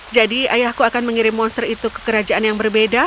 jadi ayahku akan mengirim monster itu ke kerajaan yang berbeda